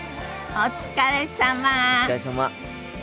お疲れさま。